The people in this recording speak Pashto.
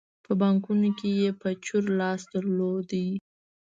په بانکونو کې یې په چور لاس درلود.